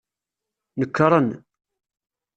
Nekren.